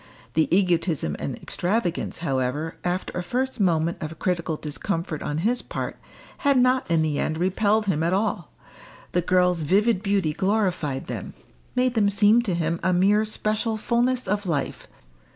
The egotism and extravagance, however, after a first moment of critical discomfort on his part, had not in the end repelled him at all. The girl's vivid beauty glorified them; made them seem to him a mere special fulness of life.